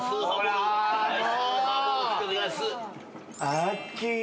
あっきー。